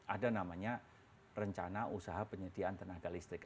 ada namanya rencana usaha penyediaan tenaga listrik